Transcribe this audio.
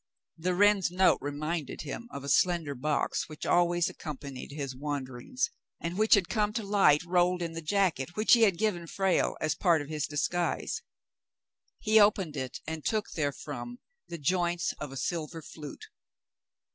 The wren's note reminded him of a slender box which always accompanied his wanderings, and which had come to light rolled in the jacket which he had given Frale as part of his disguise. He opened it and took therefrom the joints of a silver flute.